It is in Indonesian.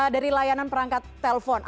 dari layanan perangkat telpon